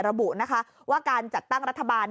ระบุนะคะว่าการจัดตั้งรัฐบาล